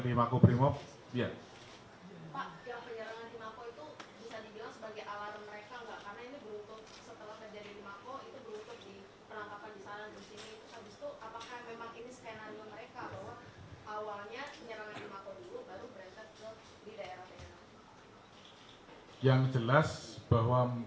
pemeriksaannya ini berapa ya